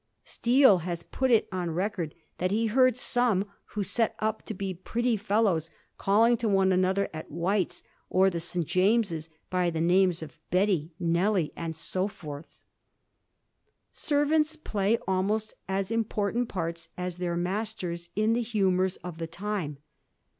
Steele has put it on record that he heard some who set up to be pretty fellows, calling to one another at White's or the St. James's by the names of ' Betty,' ' Nelly,' and so forth. Servants play almost as important parts as their masters in the humours of the time.